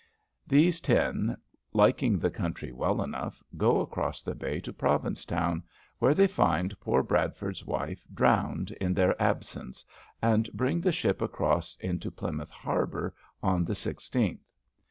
These ten, liking the country well enough, go across the bay to Provincetown where they find poor Bradford's wife drowned in their absence, and bring the ship across into Plymouth harbor on the sixteenth.